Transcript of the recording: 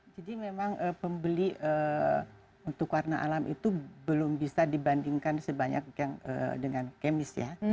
memang pembeli untuk warna alam itu belum bisa dibandingkan sebanyak yang dengan kemis ya